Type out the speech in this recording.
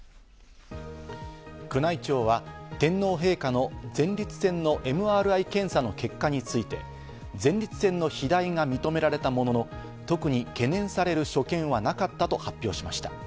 宮内庁は天皇陛下の前立腺のＭＲＩ検査の結果について、前立腺の肥大が認められたものの、特に懸念される所見はなかったと発表しました。